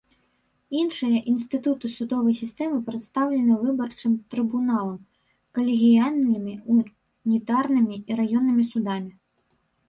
Іншыя інстытуты судовай сістэмы прадстаўлены выбарчым трыбуналам, калегіяльнымі, унітарнымі і раённымі судамі.